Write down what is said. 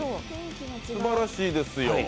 すばらしいですよ。